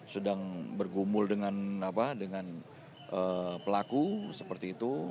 sedang bergumul dengan apa dengan pelaku seperti itu